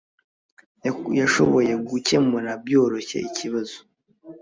Yashoboye gukemura byoroshye ikibazo